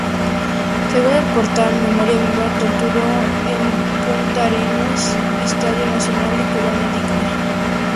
Según el portal "Memoria Viva", "torturó en Punta Arenas, Estadio Nacional y Colonia Dignidad.